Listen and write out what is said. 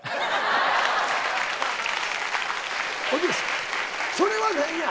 ほいでそれは何や？